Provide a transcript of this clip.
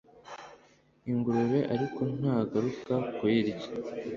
Ingurube ariko nta garuka kuyirya